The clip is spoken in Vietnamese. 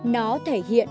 nó thể hiện